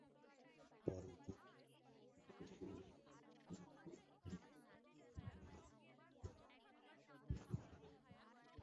পরে তিনি Democratic Union জোটে যোগ দিয়ে সেপ্টেম্বরের নির্বাচনে প্রতিদ্বন্দ্বিতা করেন।